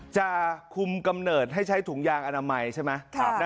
จะคุมกำเนิดให้ใช้ถุงยางอนามัยใช่ไหม